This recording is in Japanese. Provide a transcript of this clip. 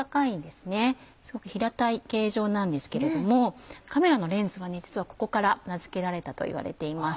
すごく平たい形状なんですけれどもカメラのレンズは実はここから名付けられたといわれています。